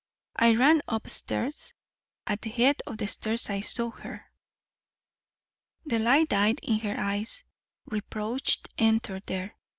I ran up stairs. At the head of the stairs I saw her." The light died in her eyes. Reproach entered there.